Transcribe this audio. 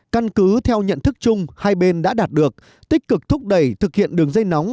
căn cứ theo nhận thức chung hai bên đã đạt được tích cực thúc đẩy thực hiện đường dây nóng